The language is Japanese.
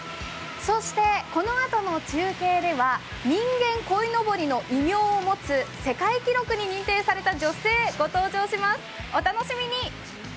そしてこのあとの中継では人間こいのぼりの異名を持つ世界記録に認定された女性、ご紹介します。